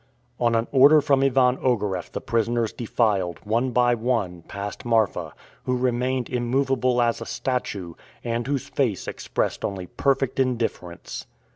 On an order from Ivan Ogareff the prisoners defiled, one by one, past Marfa, who remained immovable as a statue, and whose face expressed only perfect indifference.